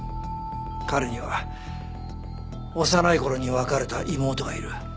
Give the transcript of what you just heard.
彼には幼い頃に別れた妹がいる。